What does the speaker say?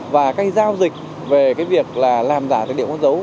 và cái giao dịch về cái việc là làm giả tài liệu con dấu